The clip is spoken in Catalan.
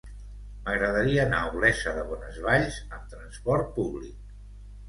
M'agradaria anar a Olesa de Bonesvalls amb trasport públic.